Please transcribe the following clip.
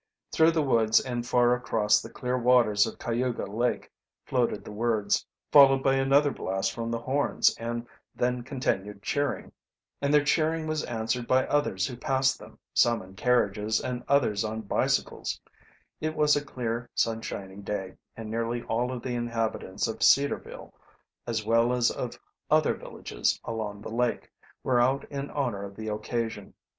Through the woods and far across the clear waters of Cayuga Lake floated the words, followed by another blast from the horns and then continued cheering. And their cheering was answered by others who passed them, some in carriages and others oil bicycles. It was a clear, sunshiny day, and nearly all of the inhabitants of Cedarville, as well as of other villages along the lake, were out in honor of the occasion.